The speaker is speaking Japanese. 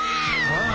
ああ？